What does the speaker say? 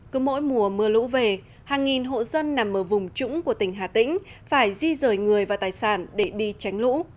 cứ mỗi mùa mưa lũ về hàng nghìn hộ dân nằm ở vùng trũng của tỉnh hà tĩnh phải di rời người và tài sản để đi tránh lũ